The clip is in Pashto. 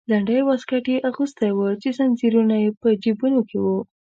لنډی واسکټ یې اغوستی و چې زنځیرونه یې په جیبونو کې وو.